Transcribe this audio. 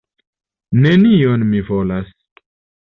Nenion mi volas.